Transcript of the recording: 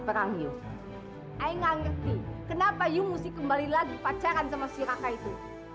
perang yuk i ngang ngerti kenapa yu mesti kembali lagi pacaran sama si raka itu